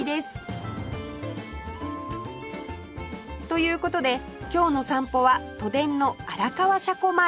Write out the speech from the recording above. という事で今日の散歩は都電の荒川車庫前